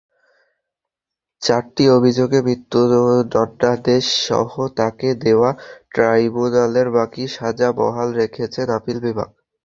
চারটি অভিযোগে মৃত্যুদণ্ডাদেশসহ তাঁকে দেওয়া ট্রাইব্যুনালের বাকি সাজা বহাল রেখেছেন আপিল বিভাগ।